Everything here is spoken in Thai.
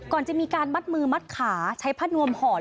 ก่อนจะมีการมัดมือมัดขาใช้ผ้านวมห่อน